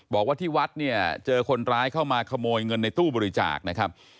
บอกว่าที่วัดเนี่ยเจอคนร้ายเข้ามาขโมยเงินในตู้บริจาคนะครับ